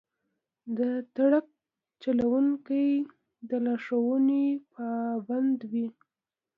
د ټرک چلونکي د لارښوونو پابند وي.